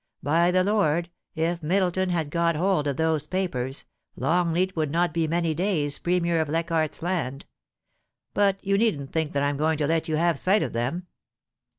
By the Lord, if Middleton had got hold of those papers, Longleat would not be many days Premier of Lei chardt's Land. ... But you needn't think that I'm going to let you have a sight of them.